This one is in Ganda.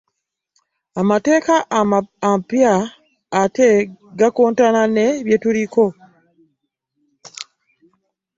Amateeka ampya ate gakontana ne bye tuliko.